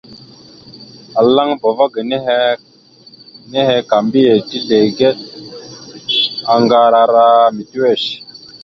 Alaŋbava ge nehe ka mbiyez tezligeɗ aŋgar ara mitiʉwesh.